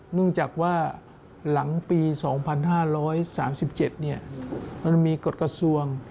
เนื่องจากว่าหลังปี๒๕๓๗มันมีกฎกระทรวง